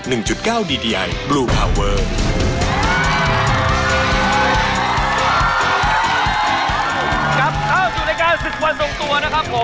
กลับเข้าสู่รายการศึกวันทรงตัวนะครับผม